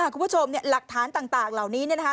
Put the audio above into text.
คุณผู้ชมหลักฐานต่างเหล่านี้เนี่ยนะคะ